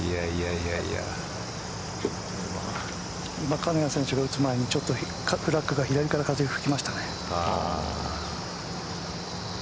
金谷選手が打つ前にフラッグが左から風が吹きましたね。